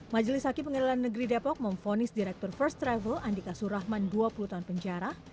majelis hakim pengadilan negeri depok memfonis direktur first travel andika surahman dua puluh tahun penjara